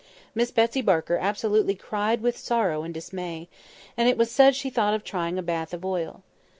Miss Betsy Barker absolutely cried with sorrow and dismay; and it was said she thought of trying a bath of oil.